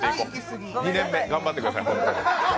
２年目、頑張ってください本当に。